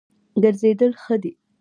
ګرځېدل ښه دی.